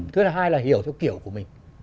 thứ hai là hiểu theo kiểu của mình